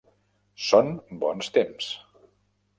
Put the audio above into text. Són bons temps.